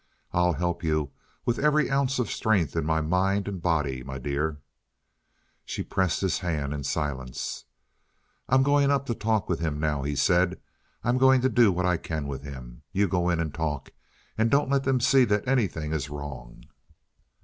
"I'll help you with every ounce of strength in my mind and body, my dear." She pressed his hand in silence. "I'm going up to talk with him now," he said. "I'm going to do what I can with him. You go in and talk. And don't let them see that anything is wrong."